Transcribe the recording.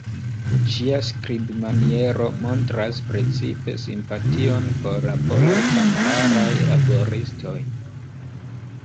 Ŝia skribmaniero montras precipe simpation por la polaj kamparaj laboristoj.